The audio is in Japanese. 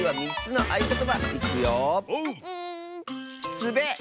「すべ」！